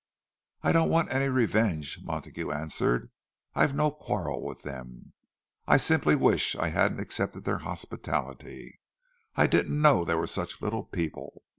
"I don't want any revenge," Montague answered. "I've no quarrel with them—I simply wish I hadn't accepted their hospitality. I didn't know they were such little people.